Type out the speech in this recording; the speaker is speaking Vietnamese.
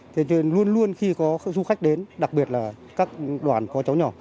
thế cho nên luôn luôn khi có du khách đến đặc biệt là các đoàn có cháu nhỏ